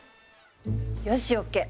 よしＯＫ！